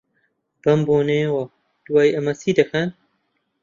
بەم بۆنەیەوە، دوای ئەمە چی دەکەن؟